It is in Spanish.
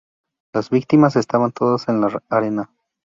Las víctimas estaban todas en la arena.